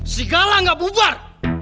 serigala gak bubar